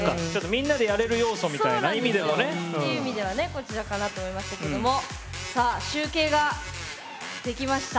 みんなでやれる要素という意味でもこちらかなと思いましたけども集計ができました。